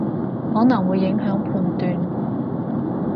可能會影響判斷